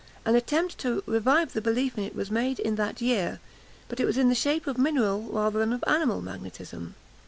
An attempt to revive the belief in it was made in that year, but it was in the shape of mineral rather than of animal magnetism.